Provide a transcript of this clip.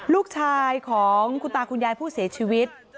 ลูกชายของคุณตาคุณยายผู้เสียชีวิต